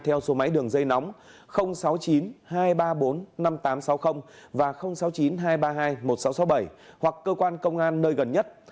theo số máy đường dây nóng sáu mươi chín hai trăm ba mươi bốn năm nghìn tám trăm sáu mươi và sáu mươi chín hai trăm ba mươi hai một nghìn sáu trăm sáu mươi bảy hoặc cơ quan công an nơi gần nhất